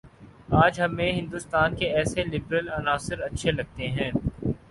آج ہمیں ہندوستان کے ایسے لبرل عناصر اچھے لگتے ہیں